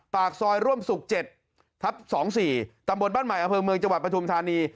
ฝากซอยร่วมศุกร์เจ็ดทับสองสี่ตำบลบ้านใหม่อเผลอเมืองจังหวัดประธุมธรรมนี